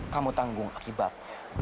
kamu tanggung akibat